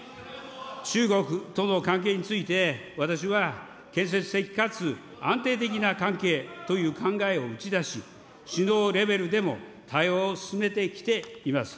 中国との関係について、私は建設的かつ安定的な関係という考えを打ち出し、首脳レベルでも対話を進めてきています。